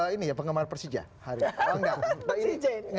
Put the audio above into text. ini ya penggemar persija hari ini